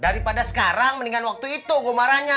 daripada sekarang mendingan waktu itu gue marahnya